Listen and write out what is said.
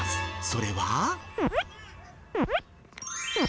それは。